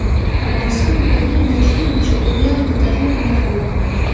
افغانستان کې بادي انرژي د چاپېریال د تغیر نښه ده.